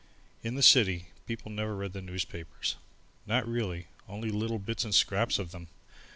In the city, people never read the newspapers, not really, only little bits and scraps of them.